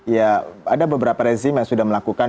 ya ada beberapa rezim yang sudah melakukan